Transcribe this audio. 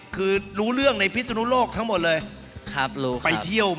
คือรู้เรื่องในพิสุนุโลกทั้งหมดเลย